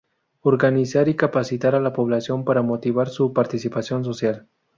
Organizar y capacitar a la población para motivar su participación social.